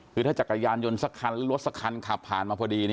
หรือถ้าจักรยานยนต์สักครั้งรถสักครั้งขาบผ่านมาพอดี